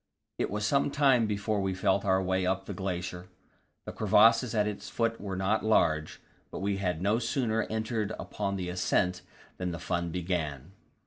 It was some time before we felt our way up to the glacier. The crevasses at its foot were not large, but we had no sooner entered upon the ascent than the fun began.